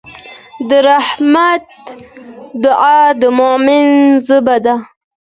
د رحمت دعا د مؤمن ژبه ده.